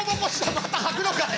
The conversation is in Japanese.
またはくのかい！